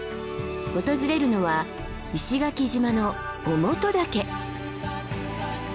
訪れるのは石垣島の於茂登岳。